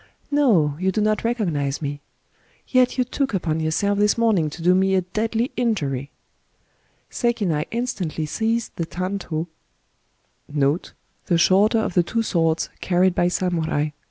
" No, you do not recognize me ! Yet you took upon yourself this morning to do me a deadly injury! ..." Sekinai instantly seized the ianfo^ at his girdle, ^ The shorter of the two twonk carried by nmuni.